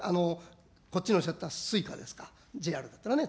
こっちの人だったらＳｕｉｃａですか、ＪＲだったらね。